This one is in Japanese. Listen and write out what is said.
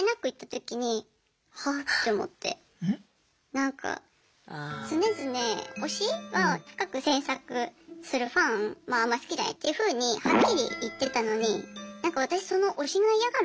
なんか常々推しは深く詮索するファンあんま好きじゃないっていうふうにはっきり言ってたのになんか私その推しが嫌がるファンになっちゃった。